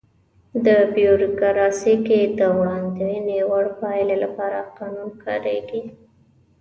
په بیوروکراسي کې د وړاندوينې وړ پایلې لپاره قانون کاریږي.